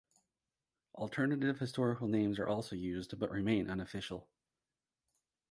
Alternative historical names are also used, but remain unofficial.